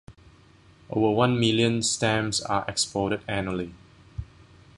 Over one million stems are exported annually.